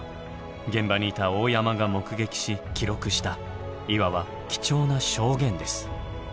現場にいた大山が目撃し記録したいわば貴重な「証言」です。